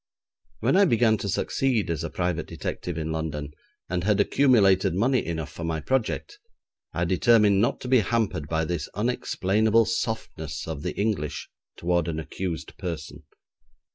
When I began to succeed as a private detective in London, and had accumulated money enough for my project, I determined not to be hampered by this unexplainable softness of the English toward an accused person.